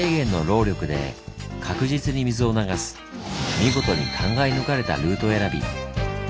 見事に考え抜かれたルート選び。